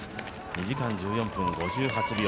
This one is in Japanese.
２時間１４分５８秒